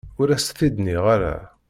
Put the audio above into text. Ur as-t-id nniɣ ara.